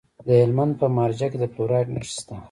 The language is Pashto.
د هلمند په مارجه کې د فلورایټ نښې شته.